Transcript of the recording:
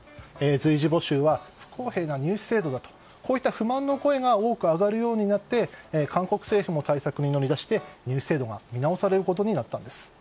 随時募集は不公平な入試制度だと不満の声が多く上がるようになって韓国政府も対策に乗り出して入試制度が見直されることになったんです。